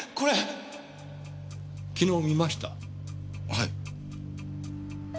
はい。